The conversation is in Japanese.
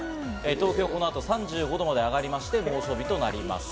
東京、この後３５度まで上り、猛暑日となります。